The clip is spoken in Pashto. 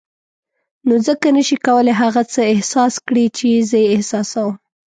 نو ځکه نه شې کولای هغه څه احساس کړې چې زه یې احساسوم.